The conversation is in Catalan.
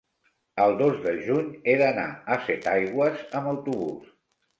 El dos de juny he d'anar a Setaigües amb autobús.